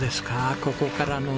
ここからの眺め！